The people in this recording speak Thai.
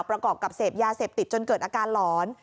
ประกอบกับเสพยาเสพติดจนเกิดอาการหลอน